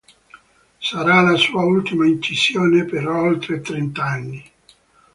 Sarà la sua ultima incisione per oltre trent'anni.